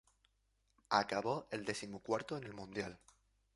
Acabó el decimocuarto en el Mundial.